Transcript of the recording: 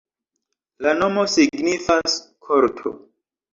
La nomo signifas: korto.